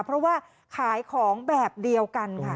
เพราะว่าขายของแบบเดียวกันค่ะ